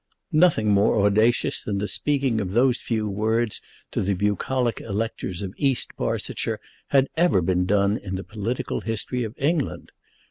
Nothing more audacious than the speaking of those few words to the bucolic electors of East Barsetshire had ever been done in the political history of England.